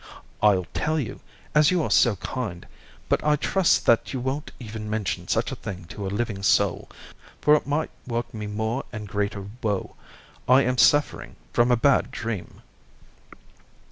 I'll tell you, as you are so kind, but I trust that you won't even mention such a thing to a living soul, for it might work me more and greater woe. I am suffering from a bad dream."